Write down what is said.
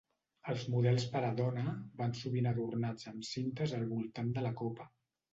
Els models per a dona van sovint adornats amb cintes al voltant de la copa.